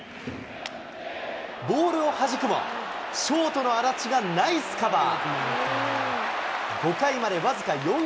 ボールをはじくも、ショートの安達がナイスカバー。